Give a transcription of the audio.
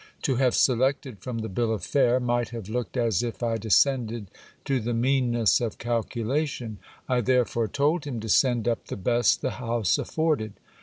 To have selected from the bill of fare, might have looked as if I de scended to the meanness of calculation ; I therefore told him to send up the best the house afforded.